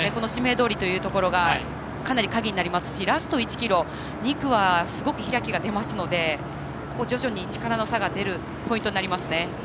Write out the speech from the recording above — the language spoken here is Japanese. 紫明通というところがかなり鍵になりますしラスト１ｋｍ、２区はすごく開きが出ますので徐々に力の差が出るポイントになりますね。